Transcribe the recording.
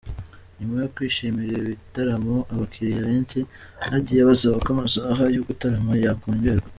Nyuma yo kwishimira ibi bitaramo, abakiriya benshi bagiye basaba ko amasaha yo gutarama yakongerwa.